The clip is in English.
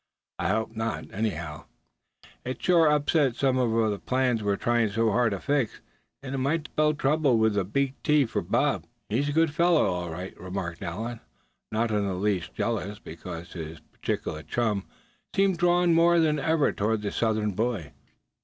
I hope not, anyhow. It'd sure upset some of the plans we're trying so hard to fix. And it might spell trouble with a big T for Bob." "He's a good fellow, all right," remarked Allan, not in the least jealous because his particular chum seemed drawn more than ever toward the Southern boy.